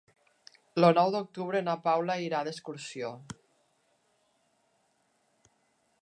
El nou d'octubre na Paula irà d'excursió.